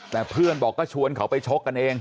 แต่เพื่อนบอกก็ชวนเขาไปชกกันเอง